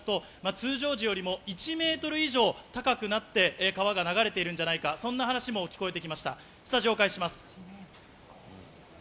場所によっては付近の住民によりますと、通常時よりも１ｍ以上高くなって川が流れているんじゃないか、そんな話も聞こえてきました。